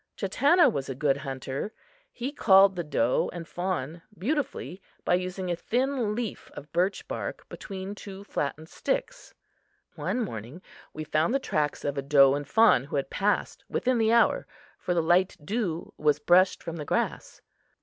Chatanna was a good hunter. He called the doe and fawn beautifully by using a thin leaf of birchbark between two flattened sticks. One morning we found the tracks of a doe and fawn who had passed within the hour, for the light dew was brushed from the grass.